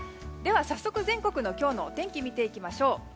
早速、今日の全国のお天気を見ていきましょう。